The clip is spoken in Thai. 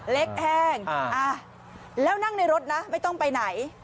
เล็กแห้งแล้วนั่งในรถนะไม่ต้องไปไหน